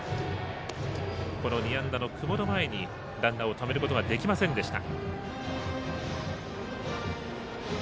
この２安打の久保の前にランナーをためることができませんでした。